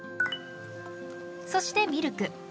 そしてミルク。